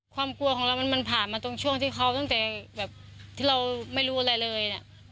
ความกลัวของเรามันผ่านมาตรงช่วงที่เขาตั้งแต่แบบที่เราไม่รู้อะไรเลย